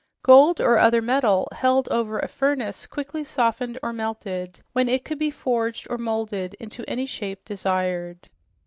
Gold or other metal held over a furnace quickly softened or melted, when it could be forged or molded into any shape desired.